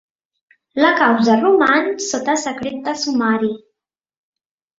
La causa roman sota secret de sumari.